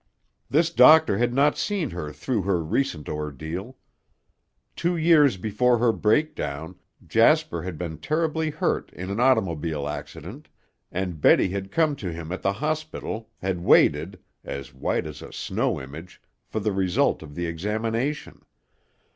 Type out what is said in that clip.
This doctor had not seen her through her recent ordeal. Two years before her breakdown, Jasper had been terribly hurt in an automobile accident, and Betty had come to him at the hospital, had waited, as white as a snow image, for the result of the examination.